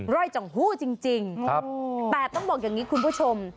่อยจ่องหู้จริงแต่ต้องบอกอย่างนี้คุณผู้ชม